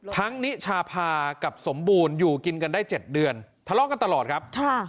นิชาพากับสมบูรณ์อยู่กินกันได้๗เดือนทะเลาะกันตลอดครับ